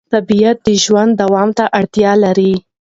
طبیعت د ژوند دوام ته اړتیا لري